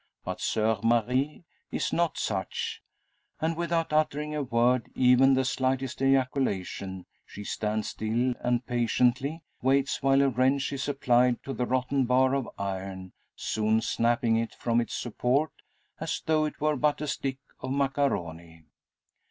But Soeur Marie is not such; and without uttering a word, even the slightest ejaculation, she stands still, and patiently, waits while a wrench is applied to the rotten bar of iron, soon snapping it from its support, as though it were but a stick of macaroni.